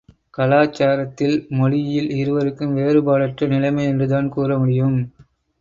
கலாச்சாரத்தில் மொழியில் இருவருக்கும் வேறுபாடற்ற நிலைமை என்றுதான் கூற முடியும்.